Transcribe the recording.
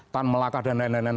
tan melaka dan lain lain